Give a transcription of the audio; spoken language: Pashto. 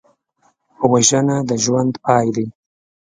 وژنه د ژوند پای دی